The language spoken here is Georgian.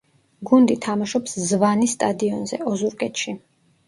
გუნდი თამაშობს ზვანის სტადიონზე, ოზურგეთში.